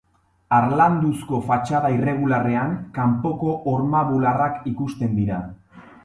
Harlanduzko fatxada irregularrean, kanpoko horma-bularrak ikusten dira.